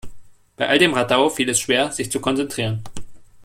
Bei all dem Radau fiel es schwer, sich zu konzentrieren.